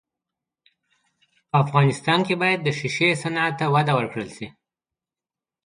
په افغانستان کې باید د ښیښې صنعت ته وده ورکړل سي.